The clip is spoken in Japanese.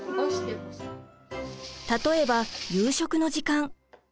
例えば夕食の時間。